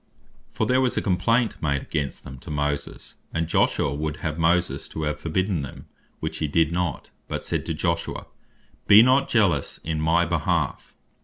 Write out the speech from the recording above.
For there was (verse 27.) a complaint made against them to Moses; and Joshua would have Moses to have forbidden them; which he did not, but said to Joshua, Bee not jealous in my behalf.